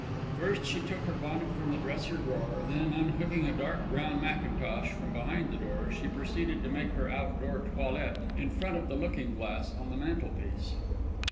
First she took her bonnet from the dresser drawer, then unhooking a dark brown mackintosh from behind the door, she proceeded to make her outdoor toilet in front of the looking glass on the mantelpiece.